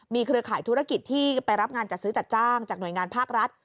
เครือข่ายธุรกิจที่ไปรับงานจัดซื้อจัดจ้างจากหน่วยงานภาครัฐ